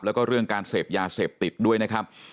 แล้วก็เรื่องการเสพยาเสพติดด้วยนะครับ